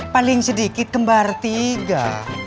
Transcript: paling sedikit kembar tiga